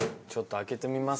開けてみます。